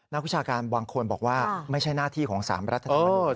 วิชาการบางคนบอกว่าไม่ใช่หน้าที่ของ๓รัฐธรรมนูญ